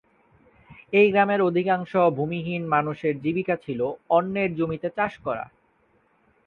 এই গ্রামের অধিকাংশ ভূমিহীন মানুষের জীবিকা ছিল অন্যের জমিতে চাষ করা।